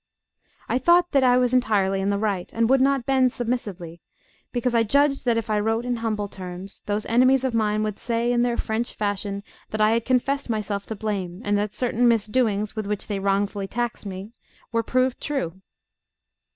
I thought that I was entirely in the right, and would not bend submissively, because I judged that if I wrote in humble terms, those enemies of mine would say in their French fashion that I had confessed myself to blame, and that certain misdoings with which they wrongfully taxed me were proved true.